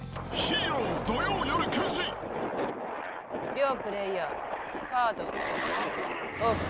両プレーヤーカードオープン。